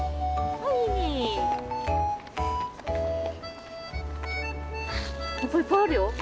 はっぱいっぱいあるよ。